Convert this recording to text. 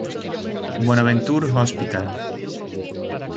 Bonaventure Hospital.